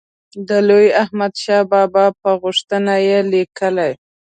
د لوی احمدشاه بابا په غوښتنه یې لیکلی.